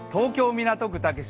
・港区竹芝